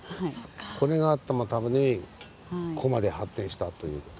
これがあったためにここまで発展したという事。